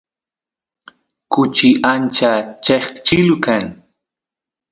kuchi ancha cheqchilu kan